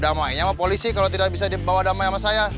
damai sama polisi kalau tidak bisa dibawa damai sama saya